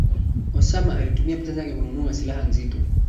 Osama alitumia pesa zake kununua silaha nzito